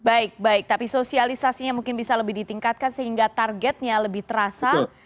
baik baik tapi sosialisasinya mungkin bisa lebih ditingkatkan sehingga targetnya lebih terasa